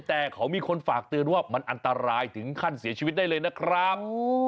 แต่เขามีคนฝากเตือนว่ามันอันตรายถึงขั้นเสียชีวิตได้เลยนะครับ